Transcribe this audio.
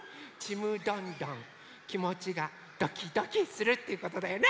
きもちがドキドキするっていうことだよね！